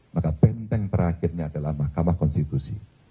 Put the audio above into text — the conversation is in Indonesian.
maka benteng terakhirnya adalah mahkamah konstitusi